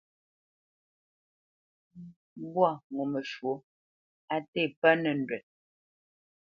Mbwâ ŋo məshwɔ̌ á té pə nəndwə́t.